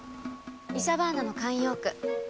イシャバーナの慣用句。